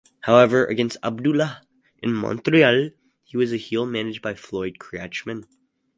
However against Abdullah in Montreal he was a heel managed by Floyd Creatchman.